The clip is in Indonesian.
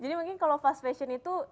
jadi mungkin kalau fast fashion itu